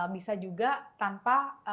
bisa juga tanpa